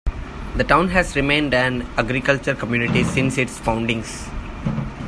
The town has remained an agricultural community since its foundings.